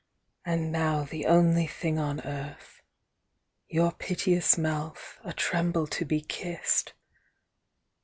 And now the only thing on earth â Your piteous mouth, a tremble to be kissed